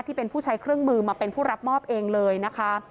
ที่เป็นผู้ใช้เครื่องมือมาเป็นผู้รับมอบเองเลยนะคะ